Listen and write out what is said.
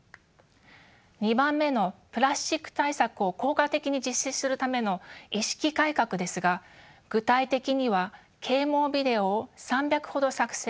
２番目のプラスチック対策を効果的に実施するための意識改革ですが具体的には啓もうビデオを３００ほど作成